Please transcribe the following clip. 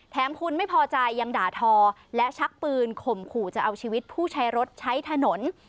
แถมคุณไม่พอใจยังด่าทอและชักปืนข่มขู่จะเอาชีวิตผู้ใช้รถใช้ถนน